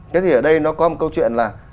thế thì ở đây nó có một câu chuyện là